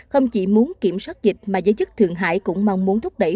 không chỉ muốn kiểm soát dịch mà giới chức thượng hải cũng mong muốn thúc đẩy